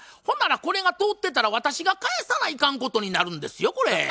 ほんならこれが通ってたら私が返さないかんことになるんですよこれ。